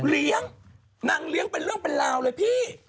เลี้ยงนางเลี้ยงเป็นเรื่องเป็นราวเลยพี่